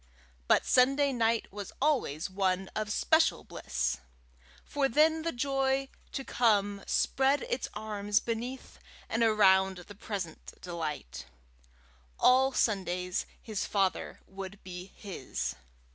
But Saturday night was always one of special bliss; for then the joy to come spread its arms beneath and around the present delight: all Sunday his father would be his.